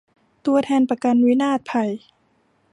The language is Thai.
ตัวแทนประกันวินาศภัย